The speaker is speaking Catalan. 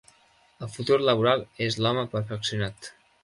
El futur laboral és l"home perfeccionat.